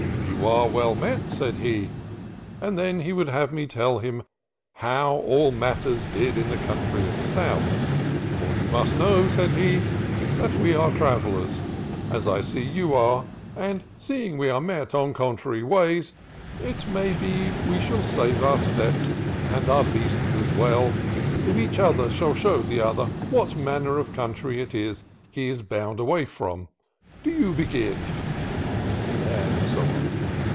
'You are well met,' said he; and then he would have me tell him how all matters did in the country of the south; 'for you must know,' said he, 'that we are travellers, as I see you are : and seeing we are met on contrary ways, it may be we shall save our steps, and our beasts' as well, if each shall show the other what manner of country it is that he is bound away from. Do you begin.'" — And so on.